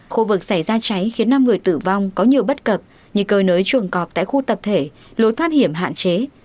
khu vực xảy ra cháy khiến năm người tử vong có nhiều bất cập như cơi nới chuồng cọp tại khu tập thể lối thoát hiểm hạn chế